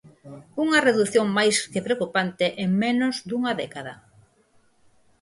Unha redución máis que preocupante en menos dunha década.